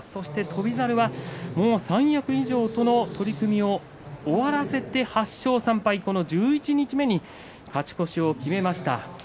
翔猿は三役以上との取組を終わらせて８勝３敗十一日目に勝ち越しを決めました。